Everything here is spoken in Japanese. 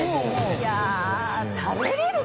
いや食べれる？